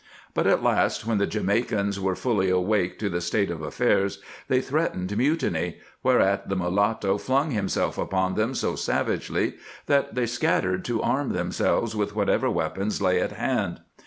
But at last, when the Jamaicans were fully awake to the state of affairs, they threatened mutiny, whereat the mulatto flung himself upon them so savagely that they scattered to arm themselves with whatever weapons lay at hand.